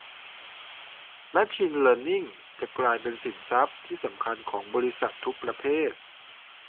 แมชชีนเลิร์นนิ่งจะกลายเป็นสินทรัพย์ที่สำคัญของบริษัททุกประเภท